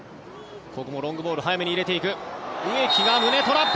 ここもロングボール早めに入れていく植木が胸トラップ。